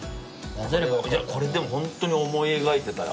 これでもホントに思い描いてた。